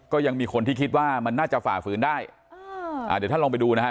ก็ยังมีคนที่คิดว่ามันน่าจะฝ่าฝืนได้อ่าเดี๋ยวท่านลองไปดูนะฮะ